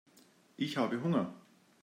Ich habe Hunger.